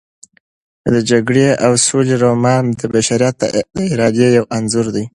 د جګړې او سولې رومان د بشریت د ارادې یو انځور دی.